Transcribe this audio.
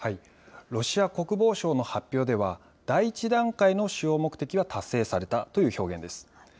ロシア国防省の発表では、第１段階の主要目的は達成されたという表現です。